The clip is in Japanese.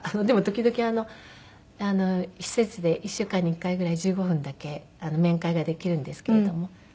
でも時々施設で１週間に１回ぐらい１５分だけ面会ができるんですけれども。